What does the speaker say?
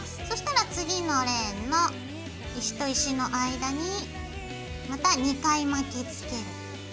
そしたら次のレーンの石と石の間にまた２回巻きつける。